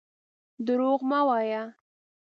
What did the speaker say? درواغ مه وايه.